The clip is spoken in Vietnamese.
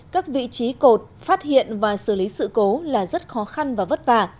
các vị trí cột phát hiện và xử lý sự cố là rất khó khăn và vất vả